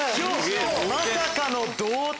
まさかの同点！